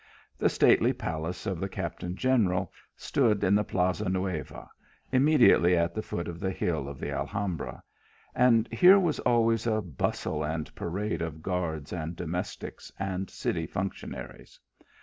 The stately palace of the captain general stood in the Plaza Nueva, im mediately at the foot of the hill of the Alhambra, and here was always a bustle and parade of guards, and domestics, and city functionaries.